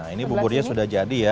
ini buburnya sudah jadi ya